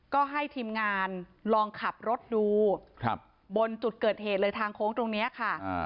ก็ให้ทีมงานลองขับรถดูบนจุดเกิดเหตุเลยทางโค้งตรงนี้ค่ะ